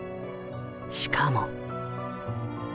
しかも。